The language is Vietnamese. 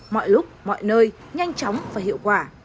mọi lúc mọi nơi nhanh chóng và hiệu quả